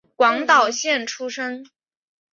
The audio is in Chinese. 广岛县出身。